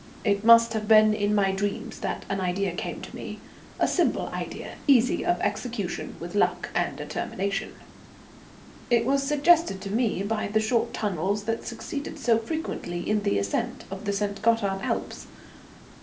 It must have been in my dreams that an idea came to me, a simple idea, easy of execution with luck and determination. It was suggested to me by the short tunnels that succeed so frequently in the ascent of the St. Gothard Alps.